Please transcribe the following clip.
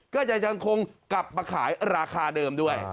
ก็จะยังคงกลับมาขายราคาเดิมด้วย